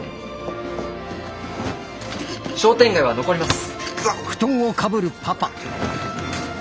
商店街は残ります。